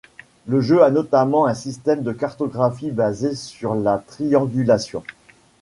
Le jeu a notamment un système de cartographie basé sur la triangulation.